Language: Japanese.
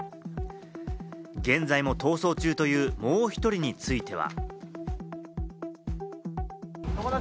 現在も逃走中という、もう１人については。